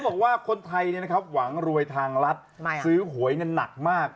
บอกว่าคนไทยหวังรวยทางรัฐซื้อหวยหนักมาก